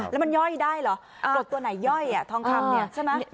แล้วมันย่อยได้เหรอกรดตัวไหนย่อยทองคำเนี่ยใช่ไหม